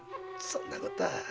そんなことは。